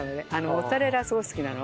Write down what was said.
モッツァレラすごい好きなの。